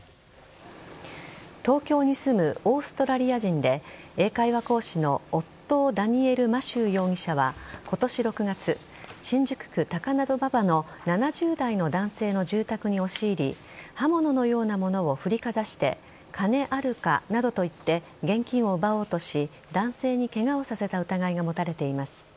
東京に住むオーストラリア人で英会話講師のオットー・ダニエル・マシュー容疑者は今年６月新宿区高田馬場の７０代の男性の住宅に押し入り刃物のようなものを振りかざして金あるかなどと言って現金を奪おうとし男性にケガをさせた疑いが持たれています。